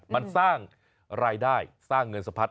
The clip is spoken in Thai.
มันสร้างรายได้สร้างเงินสะพัด